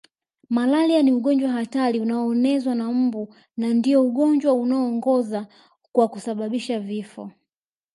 Malaria ni ugonjwa hatari unaonezwa na mbu na ndio ugonjwa unaoongoza kwa kusababisha vifo